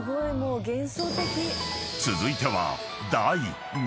［続いては］